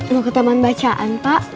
mau ke taman bacaan pak